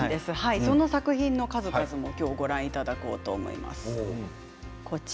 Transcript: その作品の数々をご覧いただきます。